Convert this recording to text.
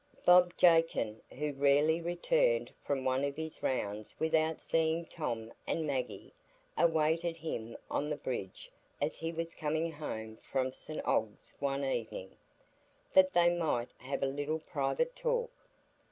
Bob Jakin, who rarely returned from one of his rounds without seeing Tom and Maggie, awaited him on the bridge as he was coming home from St Ogg's one evening, that they might have a little private talk.